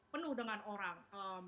penuh dengan orang